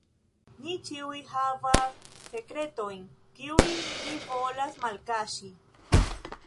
Ni ĉiuj havas sekretojn, kiujn ni volas malkaŝi.